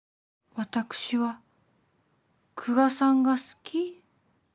私は久我さんが好き？